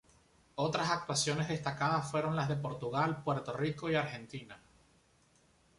Otras actuaciones destacadas fueron las de Portugal, Puerto Rico y Argentina.